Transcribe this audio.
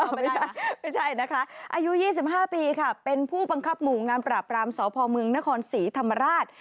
ไม่ใช่ไม่ใช่นะคะอายุ๒๕ปีค่ะเป็นผู้บังคับหมู่งานปราบรามสพเมืองนครศรีธรรมราช